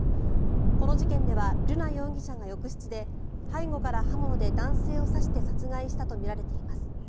この事件では瑠奈容疑者が浴室で背後から刃物で男性を刺して殺害したとみられています。